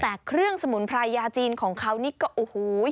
แต่เครื่องสมุนไพรยาจีนของเขานี่ก็โอ้โห